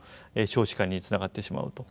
少子化につながってしまうと。